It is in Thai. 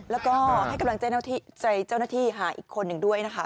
แล้วก็ให้กำลังใจเจ้าหน้าที่หาอีกคนหนึ่งด้วยนะคะ